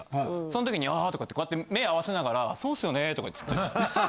その時に「ああ」とかってこうやって目合わせながら「そうっすよね」とかつって。